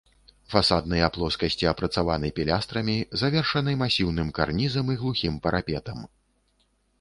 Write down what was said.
Фасадныя плоскасці апрацаваны пілястрамі, завершаны масіўным карнізам і глухім парапетам.